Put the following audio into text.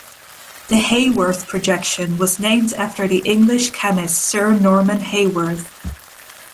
The Haworth projection was named after the English chemist Sir Norman Haworth.